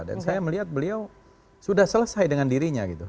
dan saya melihat beliau sudah selesai dengan dirinya gitu